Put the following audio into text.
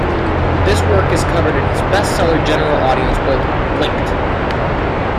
This work is covered in his bestseller general audience book, Linked.